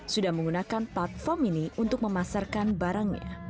sudah menggunakan platform ini untuk memasarkan barangnya